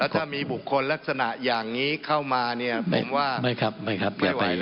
ถ้ามีบุคคลลักษณะอย่างนี้เข้ามาเนี่ยผมว่าไม่ครับไม่ครับ